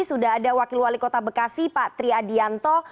sudah ada wakil wali kota bekasi pak tri adianto